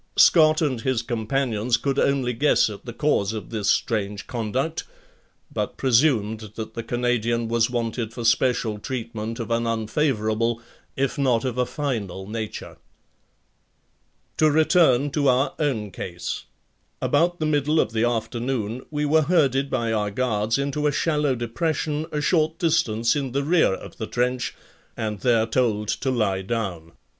Scott and his companions could only guess at the cause of this strange conduct, but presumed that the Canadian was wanted for special treatment of an unfavorable, if not of a final nature. To return to our own case: About the middle of the afternoon we were herded by our guards into a shallow depression a short distance in the rear of the trench and there told to lie down.